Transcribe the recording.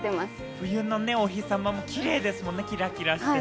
冬のお日様もキレイですもんね、キラキラしてね。